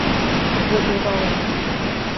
وہ چھوٹا اور ہلکا ہے۔